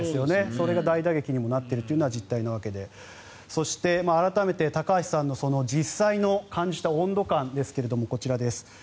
それが大打撃にもなっているのが実態なわけでそして、改めて高橋さんの実際に感じた温度感ですがこちらです。